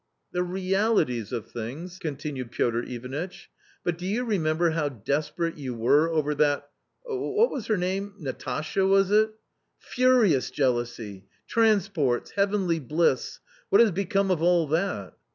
" The realities of things," continued Piotr Ivanitch ;" but do you remember how desperate you were over that — what was her name ?— Natasha — was it ? Furious jealousy, transports, heavenly bliss. What has become of all that?"